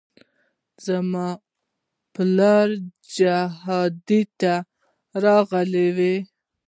خو زما پلار جهاد ته راغلى و.